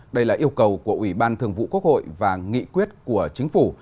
đây là yêu cầu của ủy ban thường vụ quốc hội và nghị quyết của chính phủ